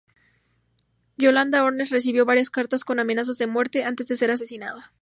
Yolanda Ordaz recibió varias cartas con amenazas de muerte, antes de ser asesinada.